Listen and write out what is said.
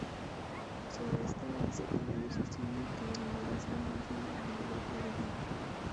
Sobre esta base, Adair sostiene que el liderazgo no es una habilidad heredada.